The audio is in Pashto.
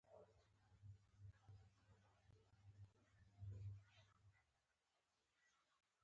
د تورو مرغانو ږغونه خواشیني ښکاري.